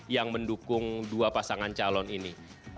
yang mendukung dua pasangan calon ini